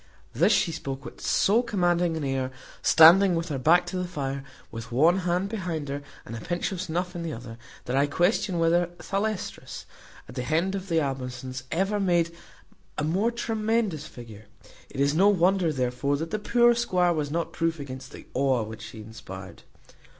This she spoke with so commanding an air, standing with her back to the fire, with one hand behind her, and a pinch of snuff in the other, that I question whether Thalestris, at the head of her Amazons, ever made a more tremendous figure. It is no wonder, therefore, that the poor squire was not proof against the awe which she inspired.